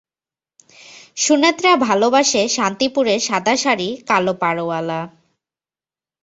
সুনেত্রা ভালোবাসে শান্তিপুরে সাদা শাড়ি কালো পাড়ওয়ালা।